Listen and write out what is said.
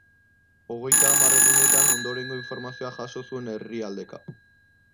Hogeita hamar egunetan ondorengo informazioa jaso zuen herrialdeka.